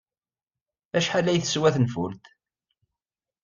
Acḥal ay teswa tenfult?